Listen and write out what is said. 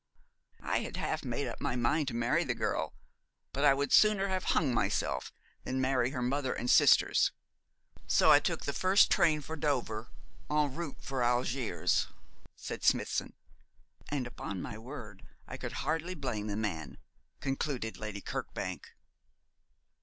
"I had half made up my mind to marry the girl, but I would sooner have hung myself than marry her mother and sisters so I took the first train for Dover, en route for Algiers," said Smithson, and upon my word I could hardly blame the man,' concluded Lady Kirkbank.